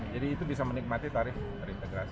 jadi itu bisa menikmati tarif integrasi